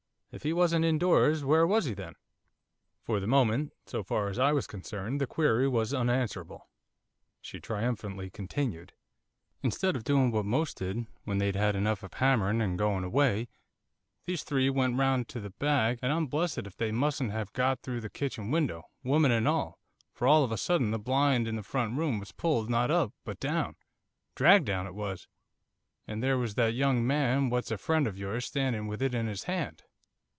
If he wasn't indoors, where was he then?' For the moment, so far as I was concerned, the query was unanswerable. She triumphantly continued: 'Instead of doing what most did, when they'd had enough of hammering, and going away, these three they went round to the back, and I'm blessed if they mustn't have got through the kitchen window, woman and all, for all of a sudden the blind in the front room was pulled not up, but down dragged down it was, and there was that young man what's a friend of yours standing with it in his hand.